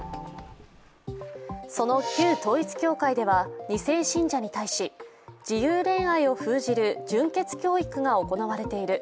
その旧統一教会では２世信者に対し、自由恋愛を封じる純潔教育が行われている。